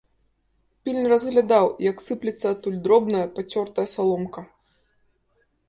Пільна разглядаў, як сыплецца адтуль дробная, пацёртая саломка.